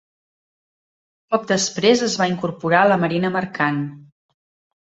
Poc després es va incorporar a la Marina Mercant.